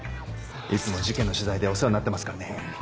いつも事件の取材でお世話になってますからね。